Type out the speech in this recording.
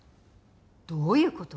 どういうこと？